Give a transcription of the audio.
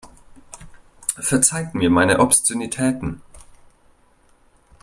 Verzeiht mir meine Obszönitäten.